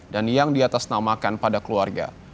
dan yang diatasnamakan pada keluarga